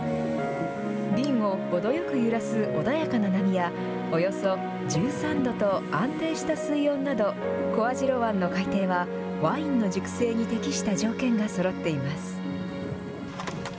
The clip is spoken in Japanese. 瓶を程よく揺らす穏やかな波や、およそ１３度と安定した水温など、小網代湾の海底はワインの熟成に適した条件がそろっています。